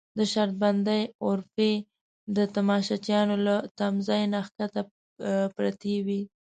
د شرط بندۍ غرفې د تماشچیانو له تمځای نه کښته پرتې وې.